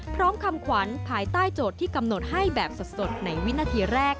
คำขวัญภายใต้โจทย์ที่กำหนดให้แบบสดในวินาทีแรก